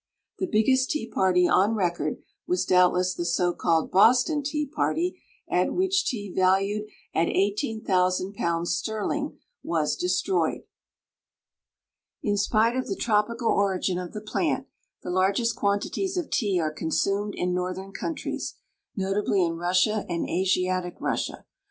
The biggest tea party on record was doubtless the so called Boston Tea Party, at which tea valued at £18,000 sterling was destroyed. In spite of the tropical origin of the plant the largest quantities of tea are consumed in northern countries, notably in Russia and Asiatic Russia.